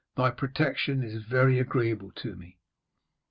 'Thy protection is very agreeable to me.'